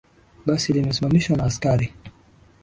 Basi limesamishwa na askari.